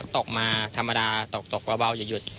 ตกมาธรรมดาตกเบาหยุด